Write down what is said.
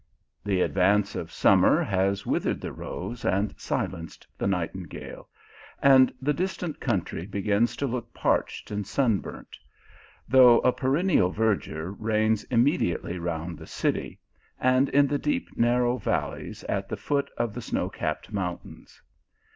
The advance of summer has withered the rose and silenced the nightingale, and the distant coun try begins to look parched and sunburnt ; though a "perennial verdure reigns immediately round the city, and in the deep narrow valleys at the foot of the snow capped mountains.